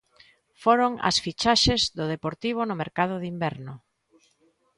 Foron as fichaxes do Deportivo no mercado de inverno.